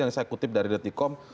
yang saya kutip dari dati com